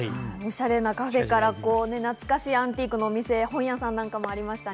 おしゃれなカフェから懐かしいアンティークのお店、本屋さんなどもありました。